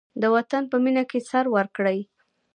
د وطن په مینه کې سر ورکړئ.